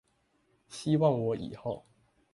希望我以後